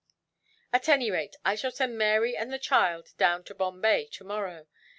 "At any rate, I shall send Mary and the child down to Bombay, tomorrow.